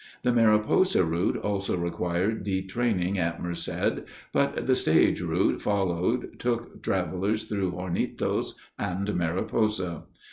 The Mariposa route also required detraining at Merced, but the stage route followed took travelers through Hornitos and Mariposa.